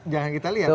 jangan kita lihat